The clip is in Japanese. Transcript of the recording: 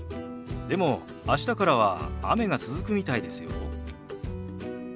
でも明日からは雨が続くみたいですよ。